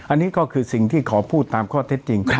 อันนี้ก็คือสิ่งที่ขอพูดตามข้อเท็จจริง